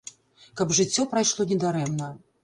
Каб жыццё прайшло не дарэмна.